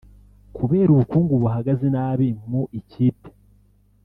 Kubera ubukungu buhagaze nabi mu ikipe